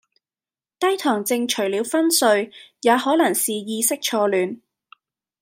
低糖症除了昏睡，也可能是意識錯亂